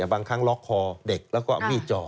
บางครั้งล็อกคอเด็กแล้วก็เอามีดจ่อ